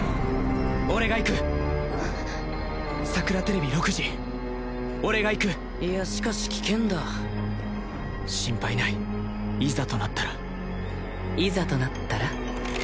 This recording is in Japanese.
俺が行くさくらＴＶ６時俺が行くいやしかし危険だ心配ないいざとなったらいざとなったら？